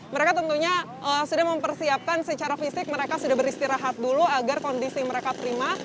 mereka tentunya sudah mempersiapkan secara fisik mereka sudah beristirahat dulu agar kondisi mereka terima